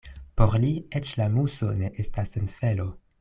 Por li eĉ la muso ne estas sen felo.